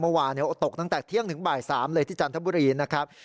เมื่อวานตกตั้งแต่เที่ยงถึงบ่าย๓เลยที่จันทบุรีนะครับ